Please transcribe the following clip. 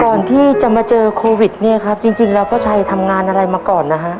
ก่อนที่จะมาเจอโควิดเนี่ยครับจริงแล้วพ่อชัยทำงานอะไรมาก่อนนะฮะ